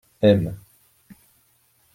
Aime.